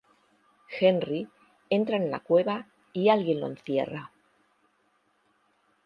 Henry entra en la cueva y alguien lo encierra.